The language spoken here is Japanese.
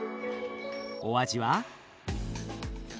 お味は？